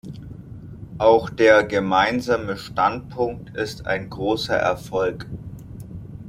Auch der gemeinsame Standpunkt ist ein großer Erfolg.